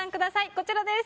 こちらです。